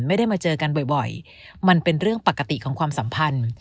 ไม่ได้มาเจอกันบ่อยมันเป็นเรื่องปกติของความสัมพันธ์